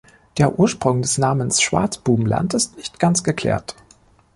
Der Ursprung des Namens "Schwarzbubenland" ist nicht ganz geklärt.